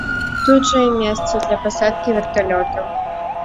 Тут жа і месца для пасадкі верталётаў.